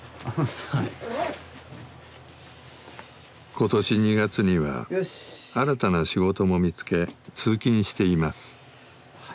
今年２月には新たな仕事も見つけ通勤しています。